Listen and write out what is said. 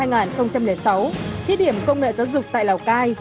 năm hai nghìn sáu thí điểm công nghệ giáo dục tại lào cai